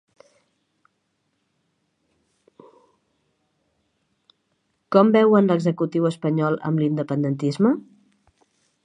Com veuen l'executiu espanyol amb l'independentisme?